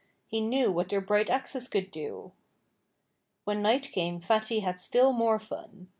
He knew what their bright axes could do. When night came Fatty had still more fun.